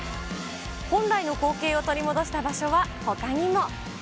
本来の光景を取り戻した場所はほかにも。